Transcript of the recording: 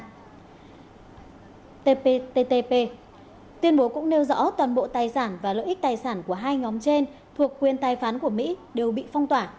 tbt tuyên bố cũng nêu rõ toàn bộ tài sản và lợi ích tài sản của hai nhóm trên thuộc quyền tài phán của mỹ đều bị phong tỏa